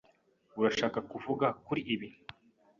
Urashaka kuvuga kuri ibi?